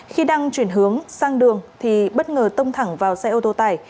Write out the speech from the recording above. khi đang chuyển hướng sang đường thì bất ngờ tông thẳng vào xe ô tô tải